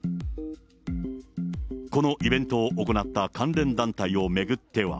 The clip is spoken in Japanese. このイベントを行った関連団体を巡っては。